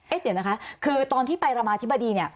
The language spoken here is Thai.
เอ๊ะเดี๋ยวนะคะคือตอนที่ไปรามาธิบดี